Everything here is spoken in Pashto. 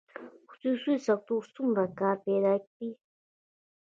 خصوصي سکتور څومره کار پیدا کړی؟